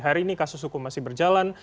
hari ini kasus hukum masih berjalan